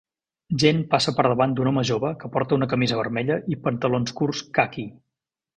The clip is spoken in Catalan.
Gent passa per davant d'un home jove que porta una camisa vermella i pantalons curts caqui.